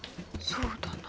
そうだな。